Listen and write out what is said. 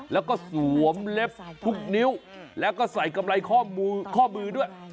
แล้วก็สวมเล็บคลุกนิ้วและก็ใส่กำไรข้อมือด้วย